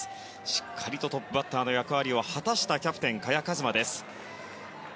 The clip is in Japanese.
しっかりとトップバッターの役割を果たしたキャプテン、萱和磨です。